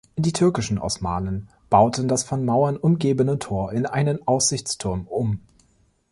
Die türkischen Osmanen bauten das von Mauern umgebene Tor in einen Aussichtsturm um.